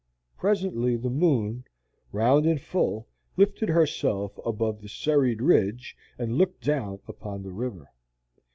Presently the moon, round and full, lifted herself above the serried ridge and looked down upon the river.